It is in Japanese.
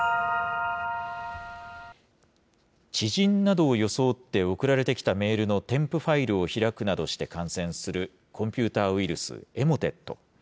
知人などを装って送られてきたメールの添付ファイルを開くなどして感染するコンピューターウイルス、エモテット。